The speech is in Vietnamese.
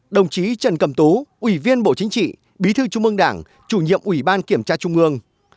đồng chí trần cẩm tú ủy viên bộ chính trị bí thư trung ương đảng chủ nhiệm ủy ban kiểm tra trung ương